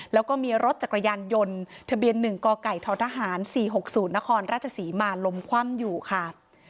แล้วก็มีรถจักรยานยนต์ทะเบียน๑กไก่ททหาร๔๖๐นครราชศรีมาล้มคว่ำอยู่ค่ะ